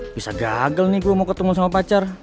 bisa gagal nih gue mau ketemu sama pacar